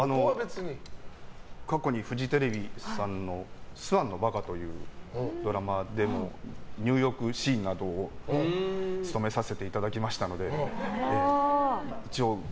過去にフジテレビさんの「スワンのばか」というドラマでも入浴シーンなど務めさせていただきましたので。